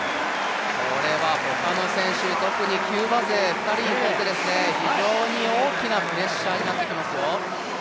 これは他の選手、特にキューバ勢２人にとって非常に大きなプレッシャーになってきますよ。